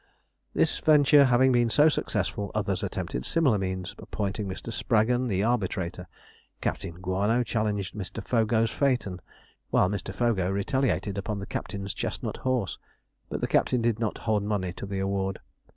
This venture having been so successful, others attempted similar means, appointing Mr. Spraggon the arbitrator. Captain Guano challenged Mr. Fogo's phaeton, while Mr. Fogo retaliated upon the captain's chestnut horse; but the captain did not hold money to the award.